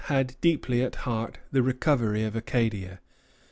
had deeply at heart the recovery of Acadia.